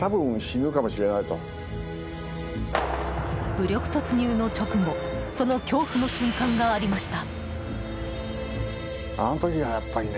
武力突入の直後その恐怖の瞬間がありました。